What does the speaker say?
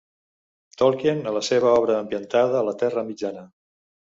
Tolkien a la seva obra ambientada a la Terra Mitjana.